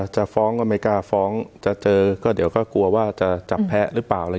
จะฟ้องจะเจอเดี๋ยวก็กลัวว่าจะจับแพ้รึเปล่า